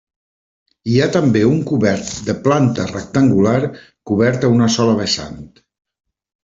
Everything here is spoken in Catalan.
Hi ha també un cobert de planta rectangular cobert a una sola vessant.